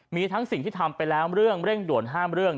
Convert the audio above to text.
มีทั้งสิ่งที่ทำไปแล้วเรื่องเร่งด่วนห้ามเรื่อง